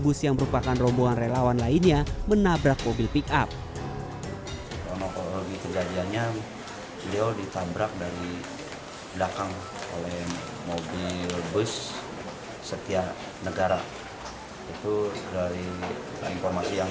bus yang merupakan rombongan relawan lainnya menabrak mobil pickup